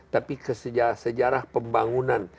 tapi sejarah pembangunan